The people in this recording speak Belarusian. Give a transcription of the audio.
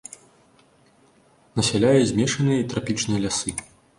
Насяляе змешаныя і трапічныя лясы.